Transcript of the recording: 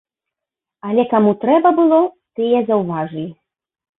Але каму трэба было, тыя заўважылі.